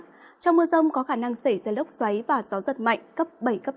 trong mưa rông có khả năng xảy ra lốc xoáy và gió giật mạnh cấp bảy cấp tám